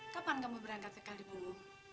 kapan kamu berangkat ke kalibung